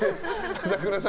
朝倉さん